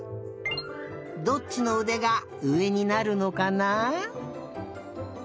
どっちのうでがうえになるのかな？